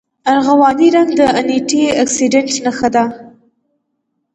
ارغواني رنګ د انټي اکسیډنټ نښه ده.